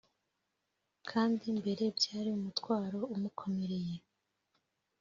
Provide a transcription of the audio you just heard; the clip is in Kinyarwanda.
kandi mbere byari umutwaro umukomereye